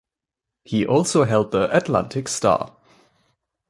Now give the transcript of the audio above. He also held the "Atlantic Star".